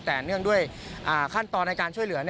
แต่เนื่องด้วยขั้นตอนในการช่วยเหลือ